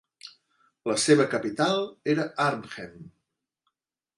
La seva capital era Arnhem.